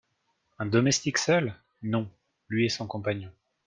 Un domestique seul ? Non ; lui et son compagnon.